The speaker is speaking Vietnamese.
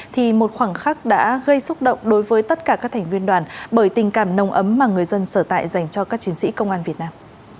thì một khoảng khắc đã gây xúc động đối với tất cả các thành viên đoàn bởi tình cảm nồng ấm mà người dân sở tại dành cho các chiến sĩ công an việt nam